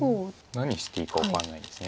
何していいか分かんないです。